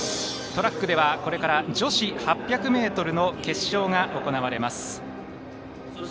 トラックではこれから女子８００ｍの決勝が行われます。